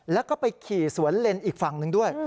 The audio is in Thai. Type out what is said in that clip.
แล้วก็ไปขี่สวนเล่นอีกฝั่งหนึ่งด้วย